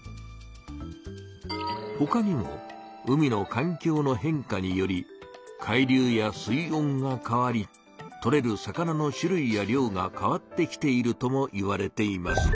ほかにも「海の環境の変化」により海流や水温が変わりとれる魚の種類や量が変わってきているともいわれています。